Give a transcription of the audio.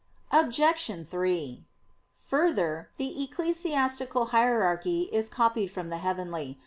Obj. 3: Further, the ecclesiastical hierarchy is copied from the heavenly.